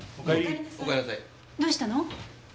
どうしたの？